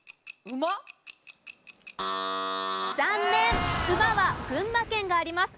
「馬」は群馬県があります。